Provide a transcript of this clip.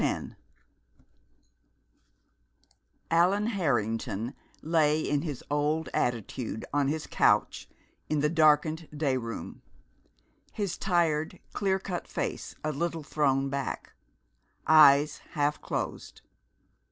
X Allan Harrington lay in his old attitude on his couch in the darkened day room, his tired, clear cut face a little thrown back, eyes half closed.